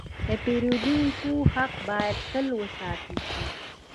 د پیرودونکو حق باید تل وساتل شي.